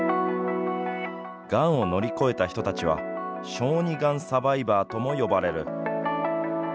がんを乗り越えた人たちは、小児がんサバイバーとも呼ばれる。